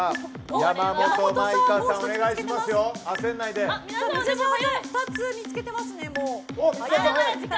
水沢さんが２つ見つけてますね。